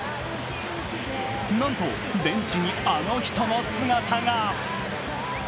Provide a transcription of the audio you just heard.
なんと、ベンチにあの人の姿が。